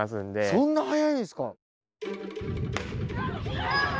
そんな速いんですか！？